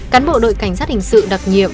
cán bộ đội cảnh sát hình sự đặc nhiệm